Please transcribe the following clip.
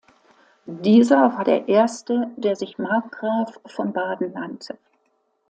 Dieser war der Erste, der sich "Markgraf von Baden" nannte.